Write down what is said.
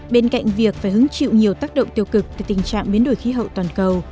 bên cạnh việc phải hứng chịu nhiều tác động tiêu cực từ tình trạng biến đổi khí hậu toàn cầu